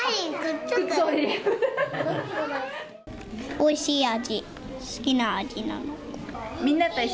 おいしい味。